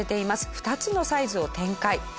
２つのサイズを展開。